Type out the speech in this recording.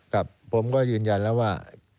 ครับผมก็ยืนยันแล้วว่า